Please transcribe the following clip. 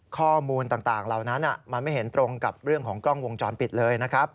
ข้อมูลต่างเหล่านั้นมันไม่เห็นตรงกับเรื่องของกล้องวงจรปิดเลยนะครับ